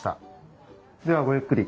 ではごゆっくり。